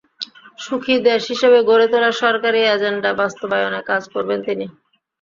সুখী দেশ হিসেবে গড়ে তোলার সরকারি এজেন্ডা বাস্তবায়নে কাজ করবেন তিনি।